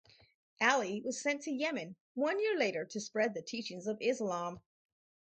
Ali was sent to Yemen one year later to spread the teachings of Islam.